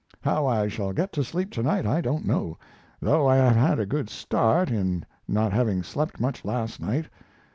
How I shall get to sleep to night I don't know, though I have had a good start, in not having slept much last night.